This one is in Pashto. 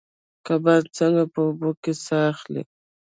کبان څنګه په اوبو کې ساه اخلي؟